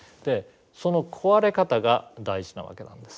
その壊れ方が大事なわけなんです。